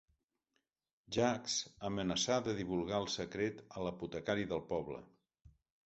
Jacques amenaçà de divulgar el secret a l'apotecari del poble.